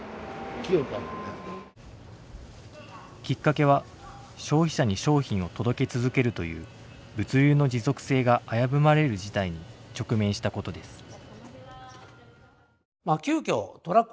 きっかけは消費者に商品を届け続けるという物流の持続性が危ぶまれる事態に直面したことです。